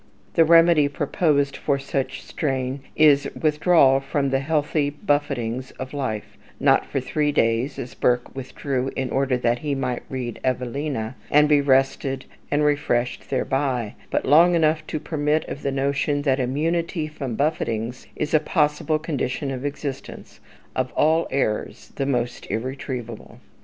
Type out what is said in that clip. The remedy proposed for such "strain" is withdrawal from the healthy buffetings of life, not for three days, as Burke withdrew in order that he might read "Evelina," and be rested and refreshed thereby; but long enough to permit of the notion that immunity from buffetings is a possible condition of existence, of all errors, the most irretrievable.